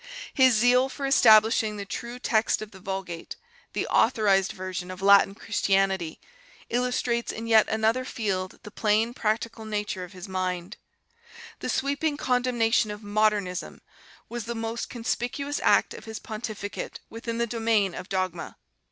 . His zeal for establishing the true text of the Vulgate the 'authorized version' of Latin Christianity illustrates in yet another field the plain practical nature of his mind .... The sweeping condemnation of 'Modernism' was the most conspicuous act of his pontificate within the domain of dogma.